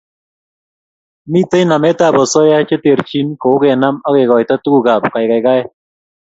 Mitei nametab osoya che terchin kou kenam akekoito tugukab kaikaikaet